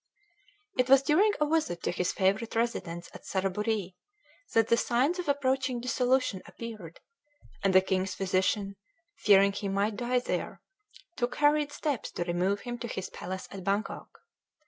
It was during a visit to his favorite residence at Saraburee that the signs of approaching dissolution appeared, and the king's physician, fearing he might die there, took hurried steps to remove him to his palace at Bangkok.